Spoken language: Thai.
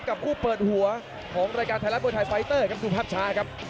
กับคู่เปิดหัวของรายการไทยรัฐมวยไทยไฟเตอร์ครับดูภาพช้าครับ